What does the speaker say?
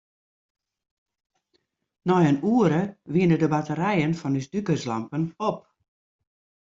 Nei in oere wiene de batterijen fan ús dûkerslampen op.